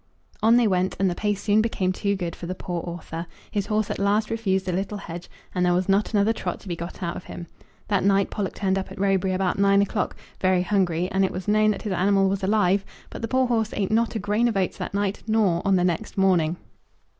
On they went, and the pace soon became too good for the poor author. His horse at last refused a little hedge, and there was not another trot to be got out of him. That night Pollock turned up at Roebury about nine o'clock, very hungry, and it was known that his animal was alive; but the poor horse ate not a grain of oats that night, nor on the next morning.